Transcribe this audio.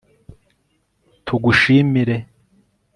tugushimire